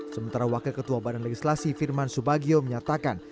sementara wakil ketua badan legislasi firman subagio menyatakan